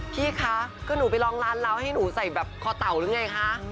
พี่คะคือหนูไปลองร้านเราให้หนูใส่แบบคอเต่าหรือไงคะ